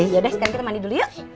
yaudah sekarang kita mandi dulu yuk